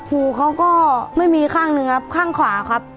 หูเขาก็ไม่มีข้างหนึ่งครับข้างขวาครับ